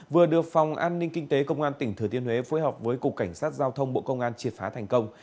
vừa được phòng an ninh kinh tế công an tỉnh thừa thiên huế phối hợp với cục cảnh sát giao thông bộ công an triệt phá thành công